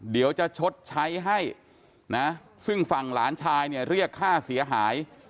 เดี๋ยวจะชดใช้ให้นะซึ่งฝั่งหลานชายเนี่ยเรียกค่าเสียหาย